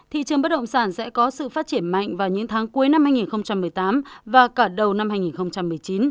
thị trường bất động sản sẽ có sự phát triển mạnh vào những tháng cuối năm hai nghìn một mươi tám và cả đầu năm hai nghìn một mươi chín